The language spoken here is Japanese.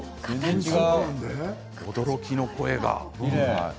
驚きの声が。